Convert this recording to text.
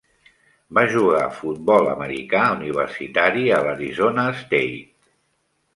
Va jugar futbol americà universitari a l'Arizona State.